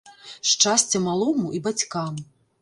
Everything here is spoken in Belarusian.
Шчасця малому і бацькам!